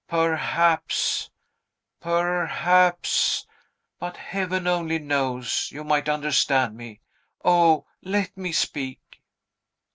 Perhaps perhaps, but Heaven only knows, you might understand me! O, let me speak!"